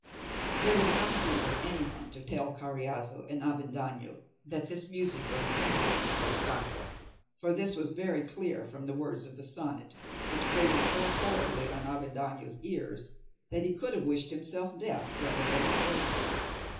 There was no need of any one to tell Carriazo and Avendaño that this music was intended for Costanza, for this was very clear from the words of the sonnet, which grated so horribly on Avendaño's ears, that he could have wished himself deaf rather than have heard it.